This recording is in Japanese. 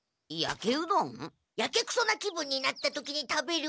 やけくそな気分になった時に食べるうどん。